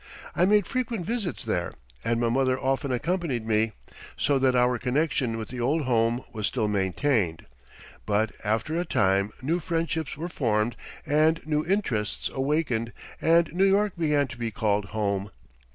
I made frequent visits there and my mother often accompanied me, so that our connection with the old home was still maintained. But after a time new friendships were formed and new interests awakened and New York began to be called home.